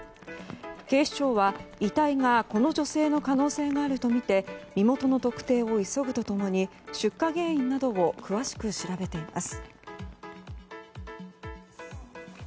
警視庁は、遺体がこの女性の可能性があるとみて身元の特定を急ぐと共に出火原因などを詳しく調べています。